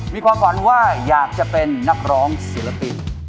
มีความฝันว่าอยากจะเป็นนักร้องศิลปิน